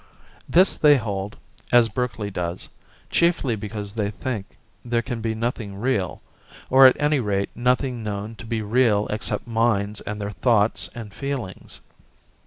This they hold, as Berkeley does, chiefly because they think there can be nothing real or at any rate nothing known to be real except minds and their thoughts and feelings.